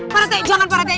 pak rete jangan pak rete